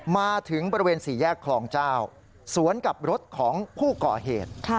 มาถึงบริเวณสี่แยกคลองเจ้าสวนกับรถของผู้ก่อเหตุ